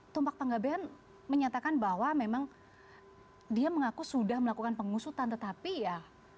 tumpak panggabean menyatakan bahwa memang dia mengaku sudah melakukan pengusutan tetapi ya